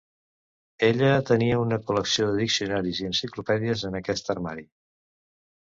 Ella tenia una col·lecció de diccionaris i enciclopèdies en aquest armari.